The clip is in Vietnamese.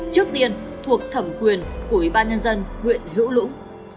trước tiên thuộc thẩm quyền của ubnd huyện hữu lũng